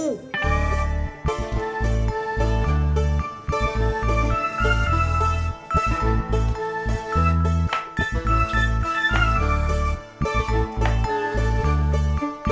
ucuy lu kan pengen lotot